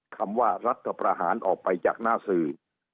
คำว่ารัฐประหารออกไปจากหน้าสื่อ